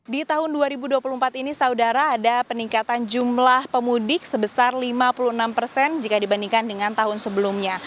di tahun dua ribu dua puluh empat ini saudara ada peningkatan jumlah pemudik sebesar lima puluh enam persen jika dibandingkan dengan tahun sebelumnya